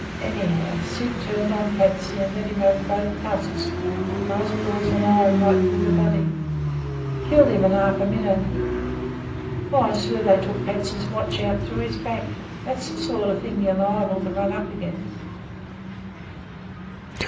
Anyhow, Syd turned on 'Patsy' and let him have both tusks, brass balls and all, right through the body. Killed him in half a minute. Why, sir, they took 'Patsy's' watch out through his back. That's the sort of thing you're liable to run up against."